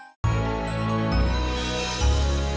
kita bawa ke rumah sakit aja bapak